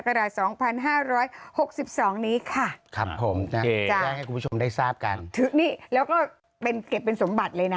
ครับผมอยากให้คุณผู้ชมได้ทราบกันแล้วก็เก็บเป็นสมบัติเลยนะ